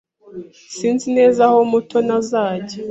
Sinzi neza aho Mutoni azajya.